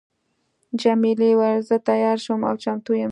جميلې وويل: زه تیاره شوم او چمتو یم.